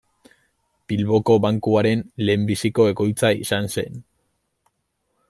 Bilboko Bankuaren lehenbiziko egoitza izan zen.